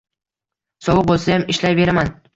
Sovuq bo`lsayam ishlayveraman